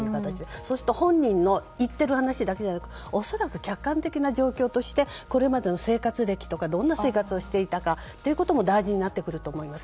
そうすると本人の言っている話だけでなく恐らく客観的な状況としてこれまでの生活歴とかどんな生活をしていたかということも大事になってくると思います。